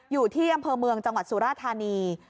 อยู่ที่อำเภอเมืองจังหวัดสุราธานี